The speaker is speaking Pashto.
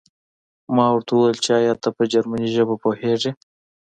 ما ورته وویل چې ایا ته په جرمني ژبه پوهېږې